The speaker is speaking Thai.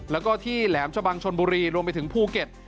แล้วก็ที่แหลมชะบังชนบุรีรวมไปถึงภูเก็ต